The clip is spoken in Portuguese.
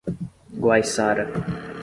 Guaiçara